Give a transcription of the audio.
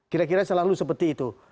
kira kira selalu seperti itu